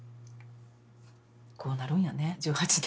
こうなるんやね１８年後は。